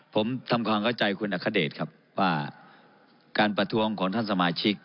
ผมทำความเข้าใจคุณอัคเดชครับว่าการประท้วงของท่านสมาชิก